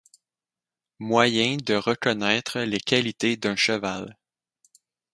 Moyen de reconnaître les qualités d'un cheval.